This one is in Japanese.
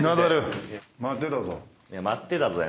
「待ってたぞ」